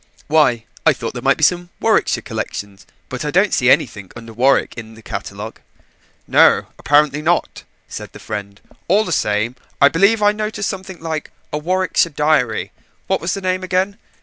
"Why, I thought there might be some Warwickshire collections, but I don't see anything under Warwick in the catalogue." "No, apparently not," said the friend. "All the same, I believe I noticed something like a Warwickshire diary. What was the name again?